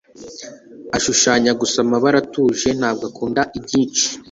Ashushanya gusa amabara atuje; ntabwo akunda ibyinshi.